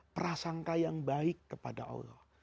prasangka yang baik kepada allah